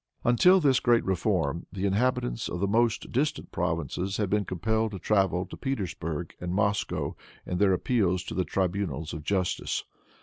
Until this great reform the inhabitants of the most distant provinces had been compelled to travel to Petersburg and Moscow in their appeals to the tribunals of justice.